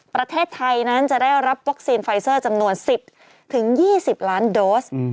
ประเทศไทยนั้นจะได้รับวัคซีนไฟเซอร์จำนวน๑๐๒๐ล้านโดส